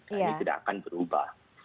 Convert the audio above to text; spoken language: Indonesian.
ini tidak akan berubah